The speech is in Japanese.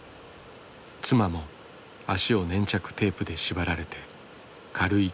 妻も脚を粘着テープで縛られて軽いけがをした。